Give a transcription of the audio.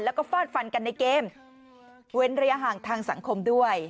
แล้วก็ฟาดฟันกันในเกมเว้นระยะห่างทางสังคมด้วย